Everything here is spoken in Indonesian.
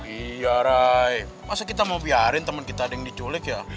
iya rai masa kita mau biarin temen kita ada yang diculik ya